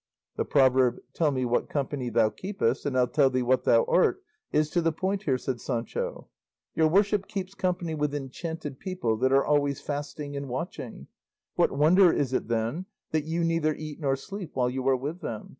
"The proverb, 'Tell me what company thou keepest and I'll tell thee what thou art,' is to the point here," said Sancho; "your worship keeps company with enchanted people that are always fasting and watching; what wonder is it, then, that you neither eat nor sleep while you are with them?